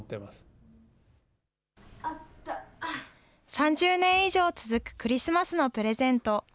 ３０年以上続くクリスマスのプレゼント。